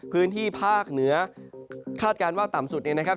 พื้นที่ภาคเหนือคาดการณ์ว่าต่ำสุดเนี่ยนะครับ